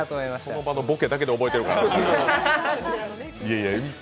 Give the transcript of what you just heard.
この場のボケだけで覚えてるから。